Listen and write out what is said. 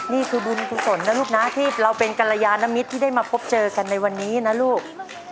นี่คือบุญกุศลนะลูกนะที่เราเป็นกรยานมิตรที่ได้มาพบเจอกันในวันนี้นะลูก